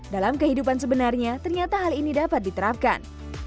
dalam kehidupan sebenarnya ternyata hal ini dapat diterapkan